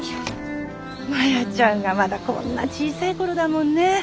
マヤちゃんがまだこんな小さい頃だもんね。